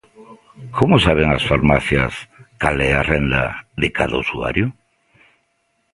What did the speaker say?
Como saben as farmacias cal é a renda de cada usuario?